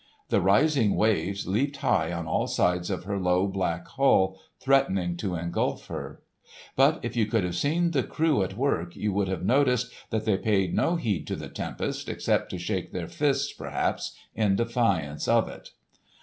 The rising waves leaped high on all sides of her low black hull, threatening to engulf her. But if you could have seen the crew at work, you would have noticed that they paid no heed to the tempest except to shake their fists, perhaps, in defiance of it.